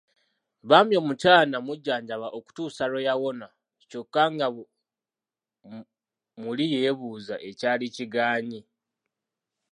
Bambi omukyala n’amujjanjaba okutuusa lwe yawona kyokka nga muli yeebuuza ekyali kigaanyi.